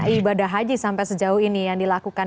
ibadah haji sampai sejauh ini yang dilakukan